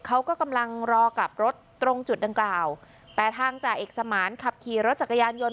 เขาก็กำลังรอกลับรถตรงจุดดังกล่าวแต่ทางจ่าเอกสมานขับขี่รถจักรยานยนต์